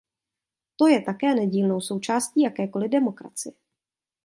To je také nedílnou součástí jakékoliv demokracie.